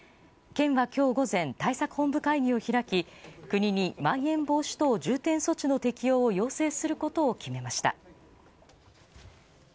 県は今日午前対策本部会議を開き国にまん延防止等重点措置の適用を要請することを決めました。